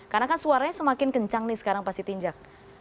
karena kan suaranya semakin kencang nih sekarang pas si tinjak